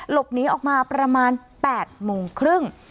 หลบหนีออกมาประมาณ๘โมงครึ่ง